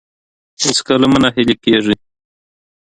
هیڅکله مه نه هیلي کیږئ.